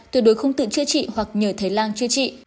tuyệt đối không tự chữa trị hoặc nhờ thái lan chữa trị